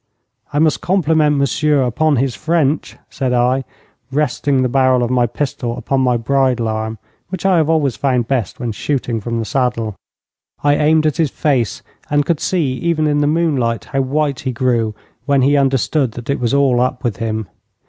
'I must compliment monsieur upon his French,' said I, resting the barrel of my pistol upon my bridle arm, which I have always found best when shooting from the saddle. I aimed at his face, and could see, even in the moonlight, how white he grew when he understood that it was all up with him.